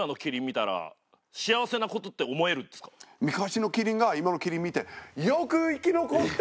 昔のキリンが今のキリンを見て。